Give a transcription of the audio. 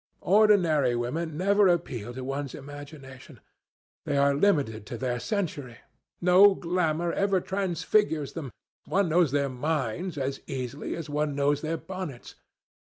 Ordinary women never appeal to one's imagination. They are limited to their century. No glamour ever transfigures them. One knows their minds as easily as one knows their bonnets.